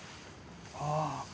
ああ。